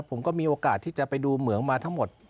ผมก็มีโอกาสที่จะไปดูเหมืองมาทั้งหมด